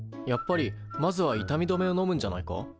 やっぱりまずは痛み止めをのむんじゃないか？